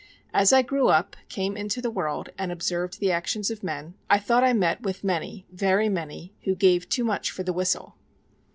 As I grew up, came into the world, and observed the actions of men, I thought I met with many, very many, who gave too much for the whistle.